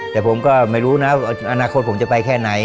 แต่ผมก็ไม่รู้นะว่าอนาคตผมจะไปแค่ไหน